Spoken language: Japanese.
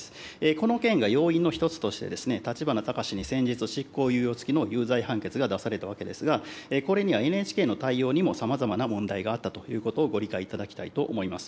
この件が要因の一つとして、立花孝志に先日、執行猶予付きの有罪判決が出されたわけですが、これにはＮＨＫの対応にもさまざまな問題があったということをご理解いただきたいと思います。